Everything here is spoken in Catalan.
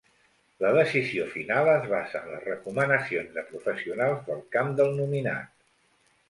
La decisió final es basa en les recomanacions de professionals del camp del nominat.